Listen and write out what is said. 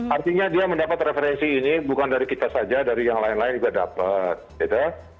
artinya dia mendapat referensi ini bukan dari kita saja dari yang lain lain juga dapat gitu ya